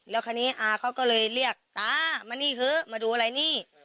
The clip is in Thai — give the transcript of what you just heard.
แล้วคราวนี้อาเขาก็เลยเรียกตามานี่เถอะมาดูอะไรนี่